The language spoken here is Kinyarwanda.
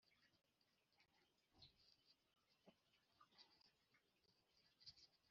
umuto ukenyutse akarucira umukambwe warambye mu bugiranabi.